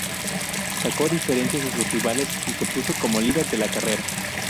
Saco diferencias a sus rivales y se puso como líder de la carrera.